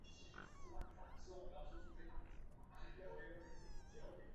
你知不知道明天就要开拍了